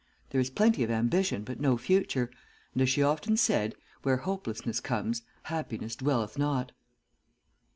There is plenty of ambition but no future, and as she often said, 'Where hopelessness comes, happiness dwelleth not!'"